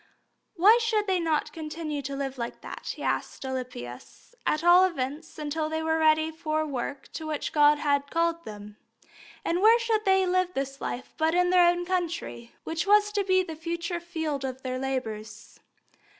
Why should they not continue to live like that, he asked Alypius, at all events until they were ready for the work to which God had called them? And where should they live this life but in their own country, which was to be the future field of their labours?